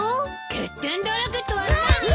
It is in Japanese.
欠点だらけとは何よ！